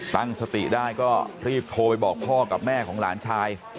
ตั้งสติได้ก็รีบโทรไปบอกพ่อกับแม่ของหลานชาย